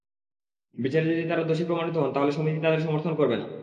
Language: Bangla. বিচারে যদি তাঁরা দোষী প্রমাণিত হন, তাহলে সমিতি তাঁদের সমর্থন করবে না।